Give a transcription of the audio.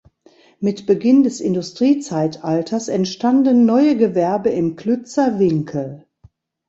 Mit Beginn des Industriezeitalters entstanden neue Gewerbe im Klützer Winkel.